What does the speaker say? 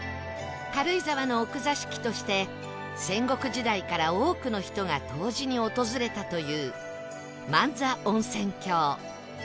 軽井沢の奥座敷として戦国時代から多くの人が湯治に訪れたという万座温泉郷